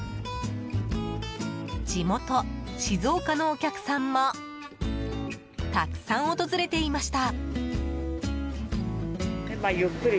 地元・静岡のお客さんもたくさん訪れていました。